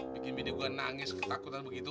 bikin bini gua nangis ketakutan begitu